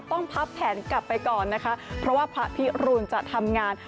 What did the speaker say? พับแผนกลับไปก่อนนะคะเพราะว่าพระพิรุณจะทำงาน